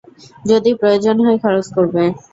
যদি প্রয়োজন হয় খরচ করবে।